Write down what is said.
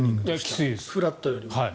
フラットよりも。